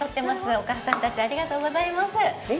お母さんたちありがとうございます。